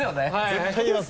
絶対言います。